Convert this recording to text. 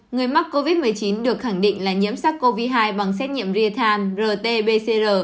một người mắc covid một mươi chín được khẳng định là nhiễm sắc covid hai bằng xét nghiệm real time rt pcr